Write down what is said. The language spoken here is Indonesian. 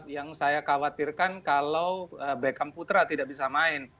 yang saya khawatirkan kalau beckham putra tidak bisa main